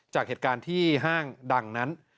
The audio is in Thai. จากเหตุการณ์ที่ห้างดังนั้น